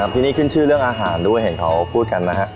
ที่นี่ขึ้นชื่อเรื่องอาหารด้วยเห็นเขาพูดกันนะฮะ